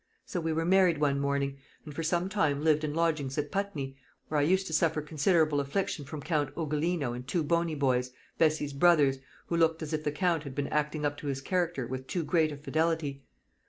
So we were married one morning; and for some time lived in lodgings at Putney, where I used to suffer considerable affliction from Count Ugolino and two bony boys, Bessie's brothers, who looked as if the Count had been acting up to his character with too great a fidelity.